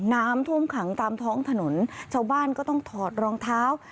น้ำท่วมขังตามท้องถนนชาวบ้านก็ต้องถอดรองเท้า